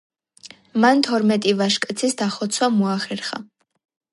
მან თორმეტი ვაჟკაცის დახოცვა მოახერხა.